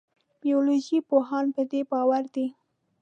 بیولوژي پوهان په دې باور دي.